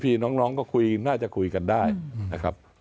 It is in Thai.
พี่น้องก็คุยน่าจะคุยกันได้นะครับ